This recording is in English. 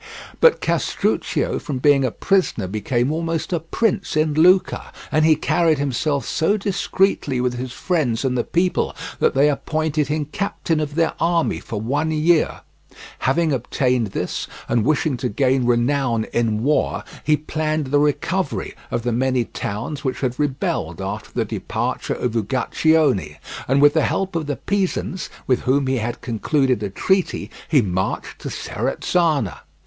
But Castruccio from being a prisoner became almost a prince in Lucca, and he carried himself so discreetly with his friends and the people that they appointed him captain of their army for one year. Having obtained this, and wishing to gain renown in war, he planned the recovery of the many towns which had rebelled after the departure of Uguccione, and with the help of the Pisans, with whom he had concluded a treaty, he marched to Serezzana.